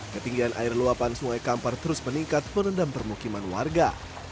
ketinggian air luapan sungai kampar terus meningkat merendam permukiman warga